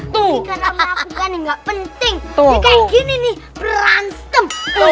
tuh gini nih berantem